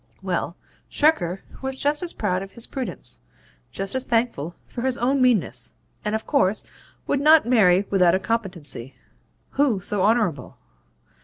Well, Shirker was just as proud of his prudence just as thankful for his own meanness, and of course would not marry without a competency. Who so honourable?